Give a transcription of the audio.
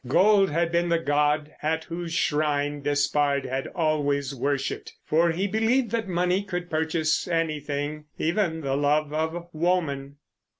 Gold had been the god at whose shrine Despard had always worshipped. For he believed that money could purchase anything, even the love of woman.